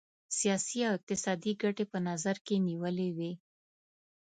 سیاسي او اقتصادي ګټي په نظر کې نیولي وې.